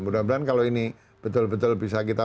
mudah mudahan kalau ini betul betul bisa kita